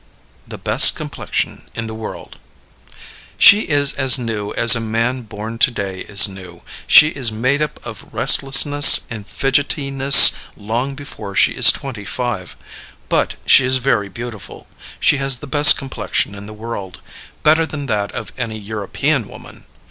The Best Complexion in the World. She is as new as a man born to day is new; she is made up of restlessness and fidgetiness long before she is twenty five. But she is very beautiful; she has the best complexion in the world better than that of any European woman.